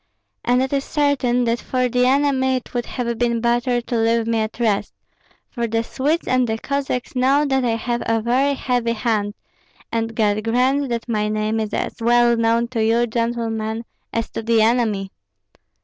And it is certain that for the enemy it would have been better to leave me at rest; for the Swedes and the Cossacks know that I have a very heavy hand, and God grant that my name is as well known to you, gentlemen, as to the enemy."